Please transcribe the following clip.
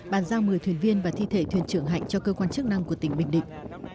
bàn giao một mươi thuyền viên và thi thể thuyền trưởng hạnh cho cơ quan chức năng của tỉnh bình định